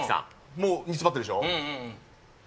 もう煮詰まってるでしょう。